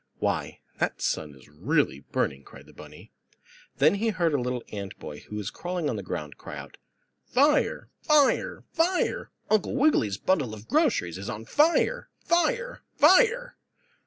"Why, that sun is really burning!" cried the bunny. Then he heard a little ant boy, who was crawling on the ground, cry out: "Fire! Fire! Fire! Uncle Wiggily's bundle of groceries is on fire! Fire! Fire!"